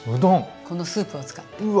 このスープを使って。